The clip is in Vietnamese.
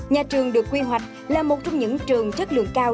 nhà trường được quy hoạch là một trong những trường chất lượng cao